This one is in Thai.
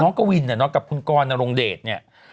กวินเนี่ยเนาะกับคุณกรนรงเดชเนี่ย